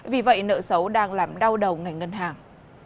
vì vậy nợ xấu đang làm đau đầu ngành ngân hàng